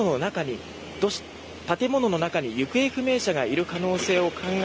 建物の中に行方不明者がいる可能性を考え